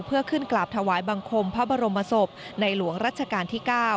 เพื่อขึ้นกราบถวายบังคมพระบรมศพในหลวงรัชกาลที่๙